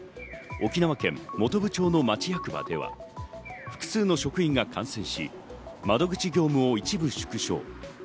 沖縄県本部町の町役場では、複数の職員が感染し、窓口業務を一部縮小。